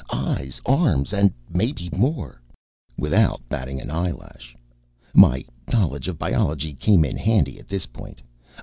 Eyes, arms and maybe more. Without batting an eyelash. My knowledge of biology came in handy, at this point.